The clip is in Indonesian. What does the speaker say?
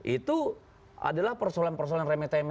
itu adalah persoalan persoalan remeh temeh